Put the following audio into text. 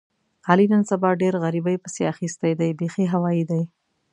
علي نن سبا ډېر غریبۍ پسې اخیستی دی بیخي هوایي دی.